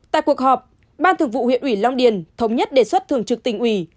tại cuộc họp ban thường vụ huyện huyện long điền thống nhất đề xuất thường trực tỉnh huy